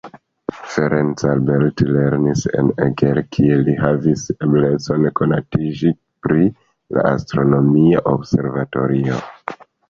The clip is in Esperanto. Ferenc Albert lernis en Eger, kie li havis eblecon konatiĝi pri la astronomia observatorio.